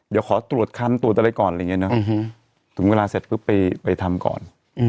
เดี๋ยวขอตรวจคันตรวจอะไรก่อนอะไรอย่างนี้เนอะถึงเวลาเสร็จปุ๊บไปทำก่อน